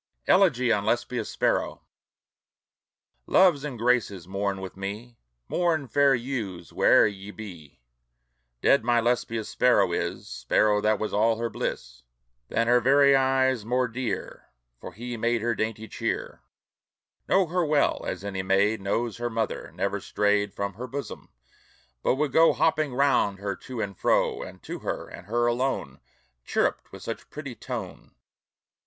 ELEGY ON LESBIA'S SPARROW Loves and Graces, mourn with me, Mourn, fair youths, where'er ye be! Dead my Lesbia's sparrow is, Sparrow that was all her bliss, Than her very eyes more dear; For he made her dainty cheer; Knew her well, as any maid Knows her mother; never strayed From her bosom, but would go Hopping round her to and fro. And to her, and her alone, Chirruped with such pretty tone.